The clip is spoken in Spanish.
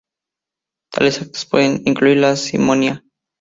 Tales actos pueden incluir la simonía.